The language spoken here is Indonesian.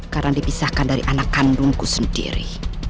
karena dipisahkan dari anak kandungku sendiri